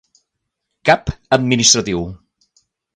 Cap administratiu.